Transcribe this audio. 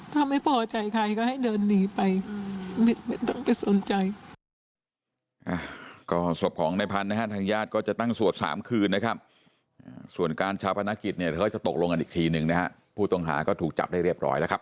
ถ้าไม่พอใจใครก็ให้เดินหนีไปไม่ต้องไปสนใจ